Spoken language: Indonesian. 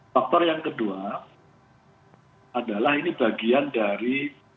faktor yang kedua adalah ini bagian dari